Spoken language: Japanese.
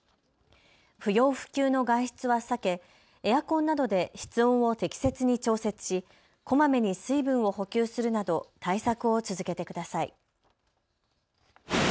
不要不急の外出は避けエアコンなどで室温を適切に調節し、こまめに水分を補給するなど対策を続けてください。